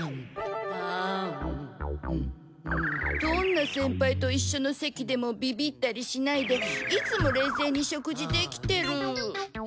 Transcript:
どんな先輩といっしょの席でもビビったりしないでいつも冷静に食事できてる。